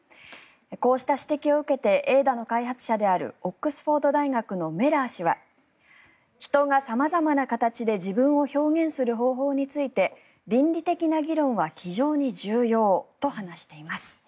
こうした指摘を受けてＡｉ−Ｄａの開発者であるオックスフォード大学のメラー氏は人が様々な形で自分を表現する方法について倫理的な議論は非常に重要と話しています。